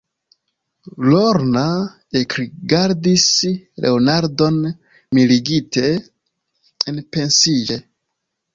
Lorna ekrigardis Leonardon mirigite, enpensiĝe.